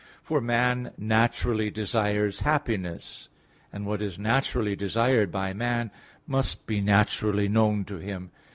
For man naturally desires happiness, and what is naturally desired by man must be naturally known to him.